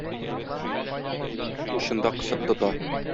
Учында кысып тота.